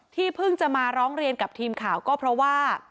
เพิ่งจะมาร้องเรียนกับทีมข่าวก็เพราะว่า